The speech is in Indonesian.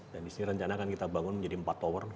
dan disini rencana kan kita bangun menjadi empat tower